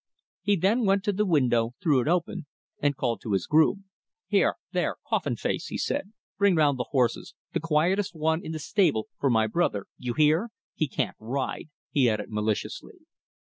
He then went to the window, threw it open, and called to his groom. "Hi, there, coffin face," he said, "bring round the horses the quietest one in the stable for my brother you hear? He can't ride," he added maliciously.